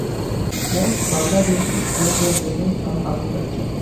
Most Bangladeshis earn their living from agriculture.